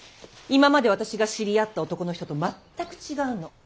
今まで私が知り合った男の人と全く違うの。